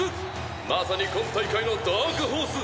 まさに今大会のダークホース。